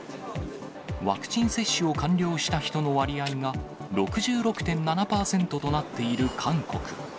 ワクチン接種を完了した人の割合が６６．７％となっている韓国。